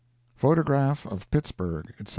PHOTOGRAPH OF PITTSBURG, ETC.